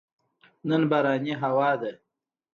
نن بارانې هوا ده